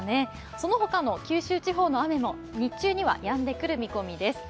そのほかの地域も日中にはやんでくる見込みです。